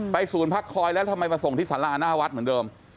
ศูนย์พักคอยแล้วทำไมมาส่งที่สาราหน้าวัดเหมือนเดิม